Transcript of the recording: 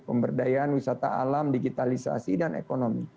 pemberdayaan wisata alam digitalisasi dan ekonomi